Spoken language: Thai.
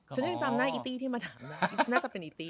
ฉันยังจำหน้าอีตี้ที่มาถามได้น่าจะเป็นอีตี้